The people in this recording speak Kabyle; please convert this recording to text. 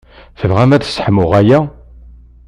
Tebɣamt ad sseḥmuɣ aya?